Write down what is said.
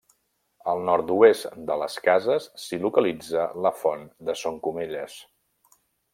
Al nord-oest de les cases s'hi localitza la font de Son Comelles.